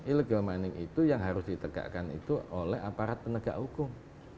illegal mining itu yang harus ditegakkan itu oleh aparat penegak hukum